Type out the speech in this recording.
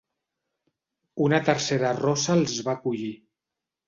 Una tercera rossa els va acollir.